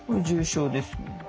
重症ですね。